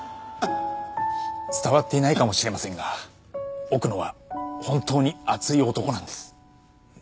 伝わっていないかもしれませんが奥野は本当に熱い男なんです。